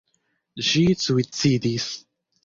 Ŝi suicidis.